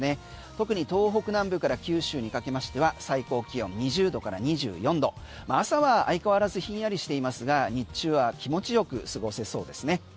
特に東北南部から九州にかけましては最高気温２０度から２４度朝は相変わらずひんやりしていますが日中は気持ちよく過ごせそうですね。